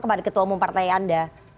kepada ketua umum partai anda